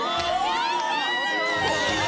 やった！